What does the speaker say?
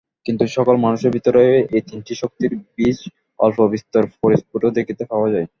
কিন্তু সকল মানুষের ভিতরেই এই তিনটি শক্তির বীজ অল্পবিস্তর পরিস্ফুট দেখিতে পাওয়া যায়।